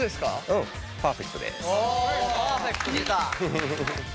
パーフェクトきた！